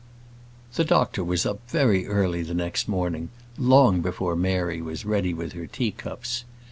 The doctor was up very early the next morning, long before Mary was ready with her teacups.